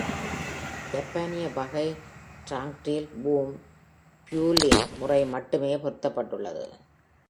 ஜப்பானிய வகை டாங்கரீல் பூம் ரீஃப்யூயலிங் முறை மட்டுமே பொருத்தப்பட்டது.